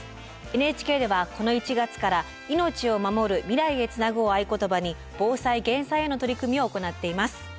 ＮＨＫではこの１月から「命をまもる未来へつなぐ」を合言葉に防災・減災への取り組みを行っています。